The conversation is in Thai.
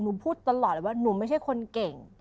พูดตลอดเลยว่าหนูไม่ใช่คนเก่ง